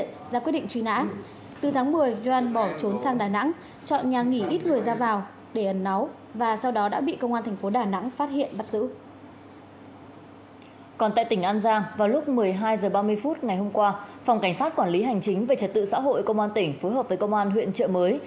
các quản lý hành chính về trật tự xã hội công an tỉnh phối hợp với công an huyện trợ mới